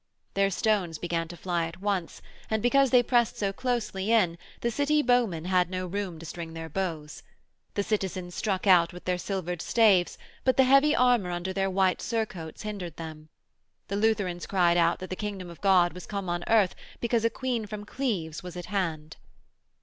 Their stones began to fly at once, and, because they pressed so closely in, the City bowmen had no room to string their bows. The citizens struck out with their silvered staves, but the heavy armour under their white surcoats hindered them. The Lutherans cried out that the Kingdom of God was come on earth because a Queen from Cleves was at hand.